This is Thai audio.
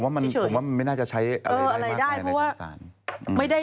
ผมว่ามันไม่น่าจะใช้อะไรมากกว่าอะไรได้